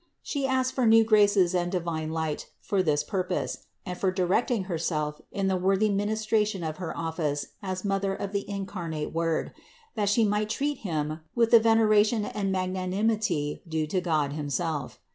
She asked for new graces and divine light for this purpose and for directing Herself in the worthy ministration of Her office as Mother of the incarnate Word, that She might treat Him with the veneration and magnanimity due to God himself.